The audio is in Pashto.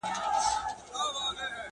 ورته ایښی د مغول د حلوا تال دی،